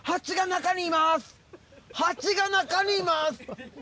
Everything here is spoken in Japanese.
蜂が中にいます！